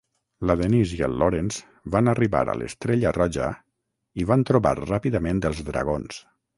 La Denise i el Lawrence van arribar a l'estrella roja i van trobar ràpidament els dragons.